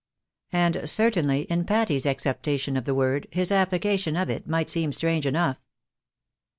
" And certainly, in Patty's acceptation of the word, his application of it might seem strange enough.